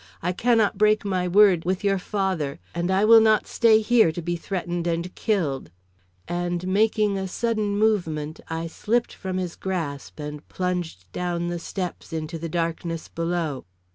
I cannot break my word with your father, and I will not stay here to be threatened and killed;" and making a sudden movement, I slipped from his grasp, and plunged down the steps into the darkness below.